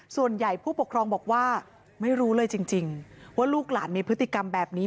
ผู้ปกครองบอกว่าไม่รู้เลยจริงว่าลูกหลานมีพฤติกรรมแบบนี้